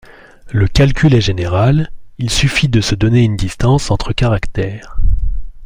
Le calcul est général, il suffit de se donner une distance entre caractères.